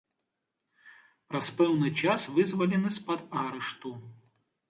Праз пэўны час вызвалены з-пад арышту.